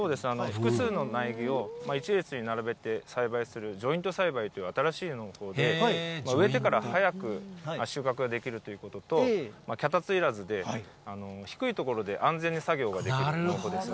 複数の苗木を１列に並べて栽培するジョイント栽培という、新しい農法で、植えてから早く収穫ができるということと、脚立いらずで、低い所で安全に作業ができるということです。